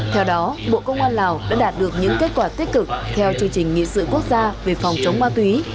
theo đó bộ công an lào đã đạt được những kết quả tích cực theo chương trình nghị sự quốc gia về phòng chống ma túy